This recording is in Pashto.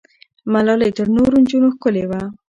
ملالۍ تر نورو نجونو ښکلې وه.